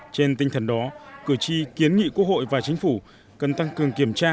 trên tinh thần đó cử tri kiến nghị quốc hội và chính phủ cần tăng cường kiểm tra